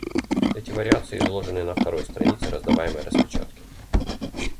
Эти вариации изложены на второй странице раздаваемой распечатки.